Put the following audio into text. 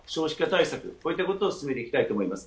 こういったことを進めていきたいと思います。